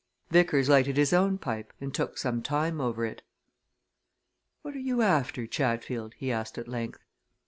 Vickers lighted his own pipe, and took some time over it. "What are you after, Chatfield?" he asked at length.